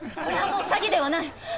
これはもう詐欺ではない。